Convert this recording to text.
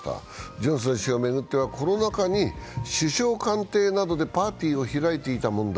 ジョンソン氏を巡ってはコロナ禍に首相官邸などでパーティーを開いていた問題。